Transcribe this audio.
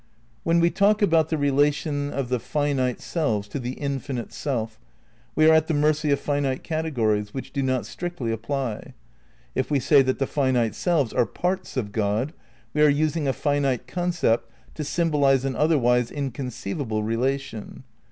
When we talk about the relation of the finite selves to the infinite Self we are at the mercy of finite categories which do not strictly apply. If we say that the finite selves are "parts" of God we are using a finite concept to symbolize an otherwise inconceivable relation.